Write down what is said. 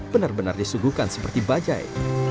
benar benar disuguhkan seperti bajai